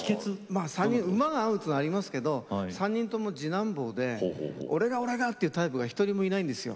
まあ３人馬が合うっつうのはありますけど３人とも次男坊で俺が俺がっていうタイプが一人もいないんですよ。